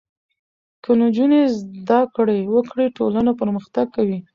که نجونې زده کړې وکړي ټولنه پرمختګ کوي.